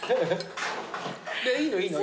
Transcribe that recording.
いいのいいの。